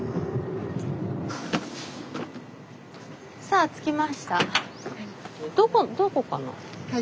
さあ着きました。